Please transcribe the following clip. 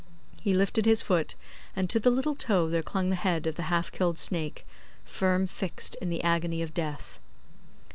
He lifted his foot, and to the little toe there clung the head of the half killed snake, firm fixed in the agony of death.